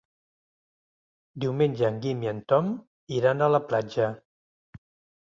Diumenge en Guim i en Tom iran a la platja.